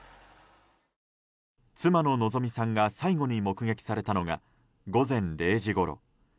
妻の希美さんが最後に目撃されたのが午前０時ごろ。